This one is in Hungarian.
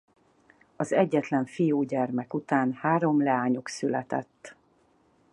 Az egyetlen fiúgyermek után három leányuk született.